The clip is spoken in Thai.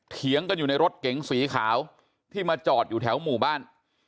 เถียงกันอยู่ในรถเก๋งสีขาวที่มาจอดอยู่แถวหมู่บ้าน